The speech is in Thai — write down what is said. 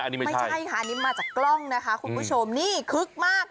อันนี้ไม่ใช่ค่ะอันนี้มาจากกล้องนะคะคุณผู้ชมนี่คึกมาก